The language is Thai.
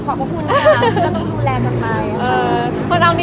อ๋อจริงดูแลตัวเองมาตลอดนะนะคะ